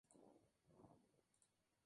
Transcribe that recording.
Actualmente hay varias casas rurales.